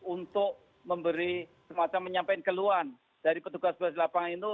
untuk memberi semacam menyampaikan keluhan dari petugas petugas di lapangan itu